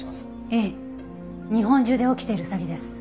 ええ日本中で起きている詐欺です。